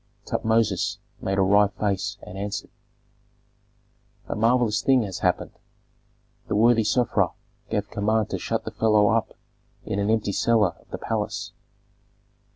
Tutmosis made a wry face and answered, "A marvellous thing has happened. The worthy Sofra gave command to shut the fellow up in an empty cellar of the palace.